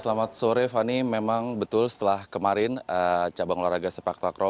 selamat sore fani memang betul setelah kemarin cabang olahraga sepak takraw